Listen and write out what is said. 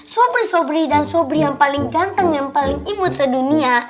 sobri sobri dan sobri yang paling ganteng yang paling imut sedunia